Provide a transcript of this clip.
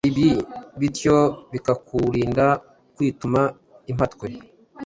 bityo bikakurinda kwituma impatwe.